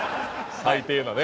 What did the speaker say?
最低なね。